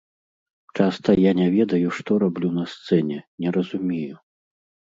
Часта я не ведаю, што раблю на сцэне, не разумею.